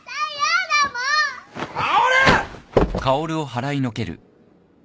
薫！